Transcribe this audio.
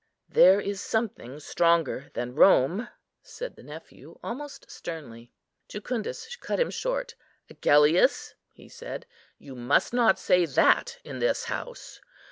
"There is something stronger than Rome," said the nephew almost sternly. Jucundus cut him short. "Agellius!" he said, "you must not say that in this house.